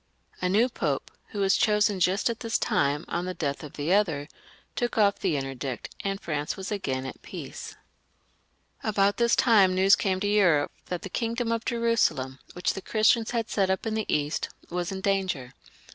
A new Pope, who was chosen just at this time, on the death of the other, took off the interdict, and France was again at peace. About this time news came to Europe that the kingdom of Jerusalem, which the Christians had set up in the East, was in danger.